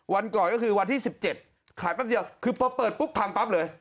วันก่อนก็คือวันที่๑๗ขายแป๊บเดียวคือพอเปิดปุ๊บพังปั๊บเลย